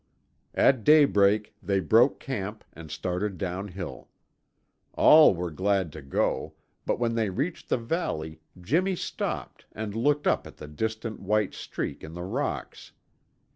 At daybreak they broke camp and started downhill. All were glad to go, but when they reached the valley Jimmy stopped and looked up at the distant white streak in the rocks.